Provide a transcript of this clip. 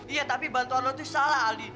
iya tapi bantuan lo tuh salah aldi